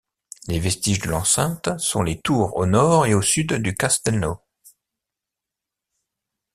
Les vestiges de l'enceinte sont les tours au nord et au sud du castelnau.